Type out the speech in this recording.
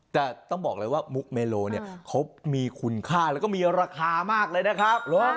แต่ต้องบอกเลยว่ามุกเมโลเนี่ยเขามีคุณค่าแล้วก็มีราคามากเลยนะครับ